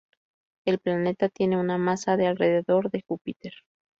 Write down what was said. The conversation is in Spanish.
El planeta tiene una masa de alrededor de Júpiter.